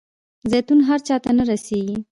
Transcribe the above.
زیتون هر چاته نه رسیږي.